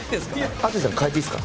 淳さん変えていいですか？